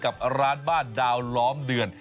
กับร้านบ้านดาวล้อมเดือน